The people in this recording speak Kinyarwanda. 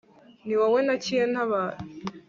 ni wowe ntakiye ntabara